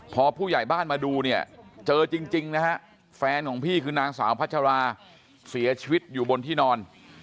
พอผู้ใหญ่บ้านมาดูเนี่ยเจอจริงนะฮะแฟนของพี่คือนางสาวพัชราเสียชีวิตอยู่บนที่นอน